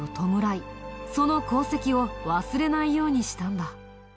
その功績を忘れないようにしたんだ。